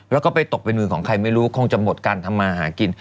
แล้วก็ไปตกเป็นมือของใครไม่รู้คงจะหมดการทำมาหากิน